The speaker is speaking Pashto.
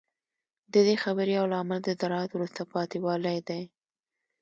د دې خبرې یو لامل د زراعت وروسته پاتې والی دی